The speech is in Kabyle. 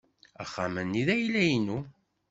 Axxam-nni d ayla-inu.